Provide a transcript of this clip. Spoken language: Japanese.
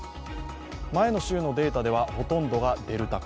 前の週のデータではほとんどがデルタ株。